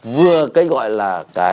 vừa cái gọi là